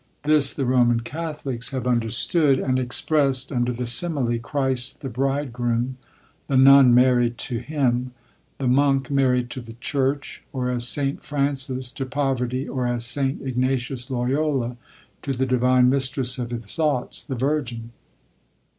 This the Roman Catholics have understood and expressed under the simile, Christ the bridegroom, the Nun married to Him, the Monk married to the Church; or as St. Francis to poverty, or as St. Ignatius Loyola to the divine mistress of his thoughts, the Virgin.